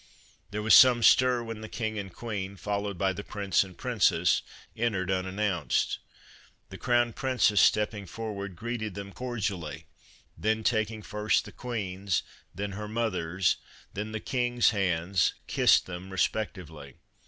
There was some stir when the King and Queen, followed by the Prince and Prin cess, entered unannounced. The Crown Princess, stepping forward, greeted them cordially, then taking first the Queen's, then her mother's, then the King's, hands, kissed them respectively.